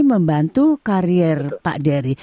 membantu karir pak dery